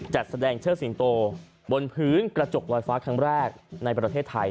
จัดแสดงเชิดสิงโตบนพื้นกระจกลอยฟ้าครั้งแรกในประเทศไทย